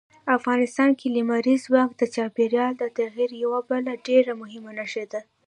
افغانستان کې لمریز ځواک د چاپېریال د تغیر یوه بله ډېره مهمه نښه ده.